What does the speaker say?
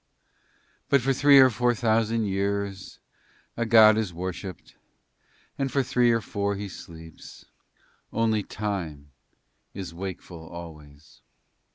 But for three or four thousand years a god is worshipped and for three or four he sleeps. Only Time is wakeful always."